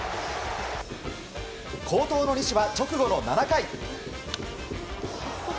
好投の西は直後の７回。